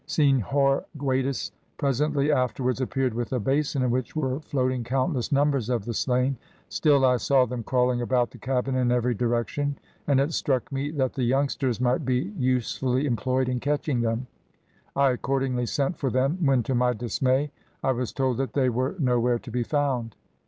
Senhor Guedes presently afterwards appeared with a basin, in which were floating countless numbers of the slain; still I saw them crawling about the cabin in every direction, and it struck me that the youngsters might be usefully employed in catching them. I accordingly sent for them, when, to my dismay, I was told that they were nowhere to be found.